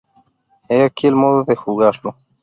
He aquí el modo de jugarlo.